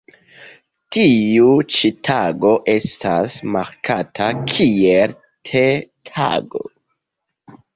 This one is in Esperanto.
Tiu ĉi tago estas markata kiel T-Tago.